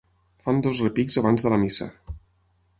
Fan dos repics abans de la missa.